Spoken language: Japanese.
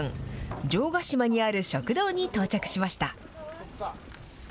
城ヶ島にある食堂に到着しました。